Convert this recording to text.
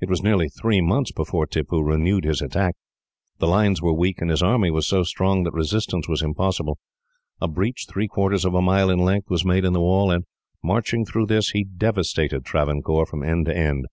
"It was nearly three months before Tippoo renewed his attack. The lines were weak, and his army so strong that resistance was impossible. A breach, three quarters of a mile in length, was made in the wall, and marching through this, he devastated Travancore from end to end.